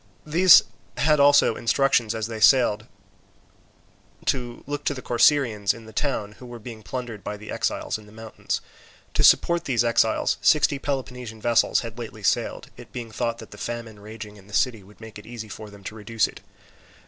These had also instructions as they sailed by to look to the Corcyraeans in the town, who were being plundered by the exiles in the mountain. To support these exiles sixty Peloponnesian vessels had lately sailed, it being thought that the famine raging in the city would make it easy for them to reduce it.